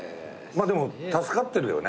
まあでも助かってるよね。